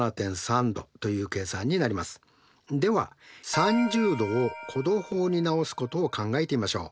では３０°を弧度法に直すことを考えてみましょう。